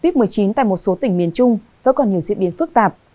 covid một mươi chín tại một số tỉnh miền trung vẫn còn nhiều diễn biến phức tạp